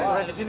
murah di sini